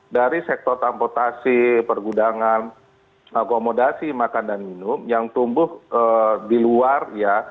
dari sektor transportasi pergudangan akomodasi makan dan minum yang tumbuh di luar ya